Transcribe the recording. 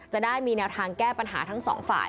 จะได้มีแนวทางแก้ปัญหาทั้งสองฝ่าย